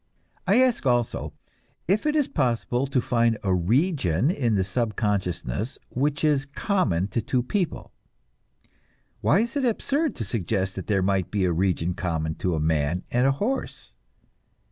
I ask, also, if it is possible to find a region in the subconsciousness which is common to two people, why is it absurd to suggest that there might be a region common to a man and a horse?